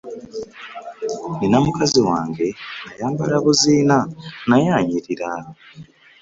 Nnina mukazi wange ayamabala buziina naye anyirira.